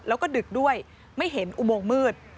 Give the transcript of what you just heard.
แล้วก็ดึกด้วยไม่เห็นอุโมงมืด